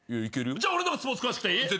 じゃあ俺の方がスポーツ詳しくていい？